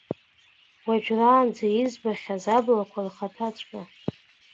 Уажәраанӡа избахьаз аблақәа рхаҭаҵәҟьа!